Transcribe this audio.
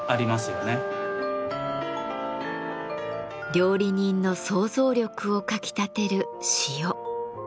料理人の創造力をかきたてる塩。